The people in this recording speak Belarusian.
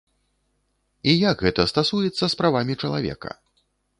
І як гэта стасуецца з правамі чалавека?